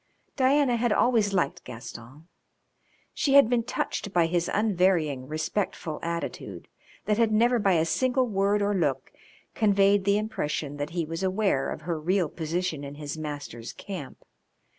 Diana had always liked Gaston; she had been touched by his unvarying respectful attitude that had never by a single word or look conveyed the impression that he was aware of her real position in his master's camp.